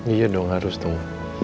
iya dong harus dong